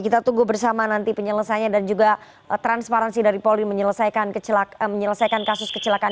kita tunggu bersama nanti penyelesaiannya dan juga transparansi dari polri menyelesaikan kasus kecelakaan